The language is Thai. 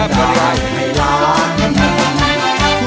ร้องได้ให้ร้าน